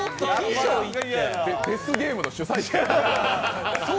デスゲームの主催者やん。